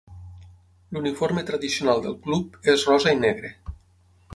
L'uniforme tradicional del club és rosa i negre.